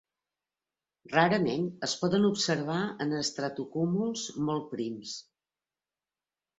Rarament es poden observar en estratocúmuls molt prims.